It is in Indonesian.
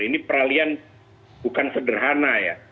ini peralian bukan sederhana ya